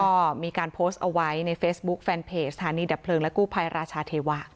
ก็มีการโพสต์เอาไว้ในเฟซบุ๊คแฟนเพจสถานีดับเพลิงและกู้ภัยราชาเทวะ